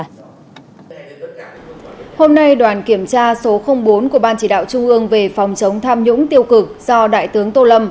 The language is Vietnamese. hôm nay đoàn kiểm tra số bốn của ban chỉ đạo trung ương về phòng chống tham nhũng tiêu cực do đại tướng tô lâm